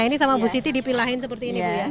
ini sama ibu siti dipilahin seperti ini bu ya